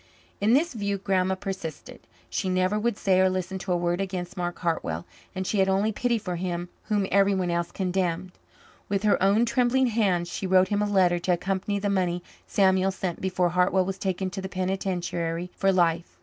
In this view Grandma persisted. She never would say or listen to a word against Mark Hartwell, and she had only pity for him whom everyone else condemned. With her own trembling hands she wrote him a letter to accompany the money Samuel sent before Hartwell was taken to the penitentiary for life.